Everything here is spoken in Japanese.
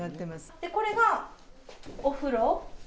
これがお風呂？